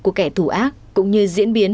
của kẻ thủ ác cũng như diễn biến